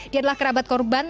dia adalah kerabat korban